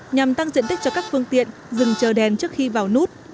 nhằm tăng diện tích cho các phương tiện dừng chờ đèn trước khi vào nút